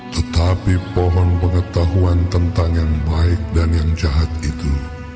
tetapi pohon pengetahuan tentang yang baik dan yang jahat itu